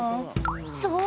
そう。